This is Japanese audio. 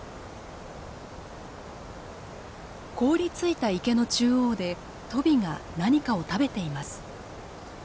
凍りついた池の中央でトビが何かを食べています。